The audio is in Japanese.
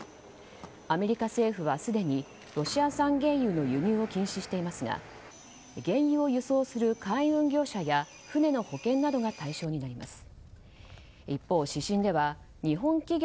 アメリカ政府はすでにロシア産原油の輸入を禁止していますが原油を輸送する海運業者や船の保険などが対象になります。